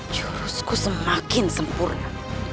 jurusku semakin sempurna